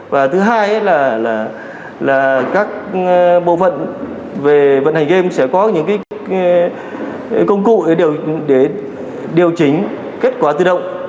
và thứ hai là các bộ phận về vận hành game sẽ có những công cụ để điều chỉnh kết quả tự động